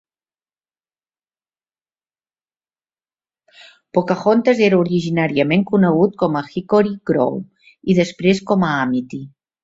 Pocahontas era originalment conegut com Hickory Grove i després com a Amity.